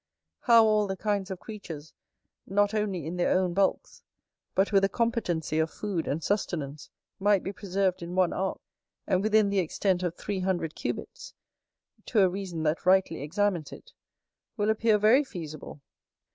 How all the kinds of creatures, not only in their own bulks, but with a competency of food and sustenance, might be preserved in one ark, and within the extent of three hundred cubits, to a reason that rightly examines it, will appear very feasible.